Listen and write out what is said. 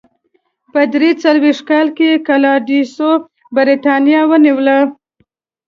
په درې څلوېښت کال کې کلاډیوس برېټانیا ونیوله.